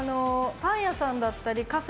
パン屋さんだったりカフェ